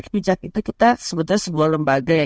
fgd itu kita sebutnya sebuah lembaga ya